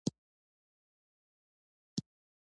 چې پکښې د پښتنو جغرافيه هم پکارولے شوې ده.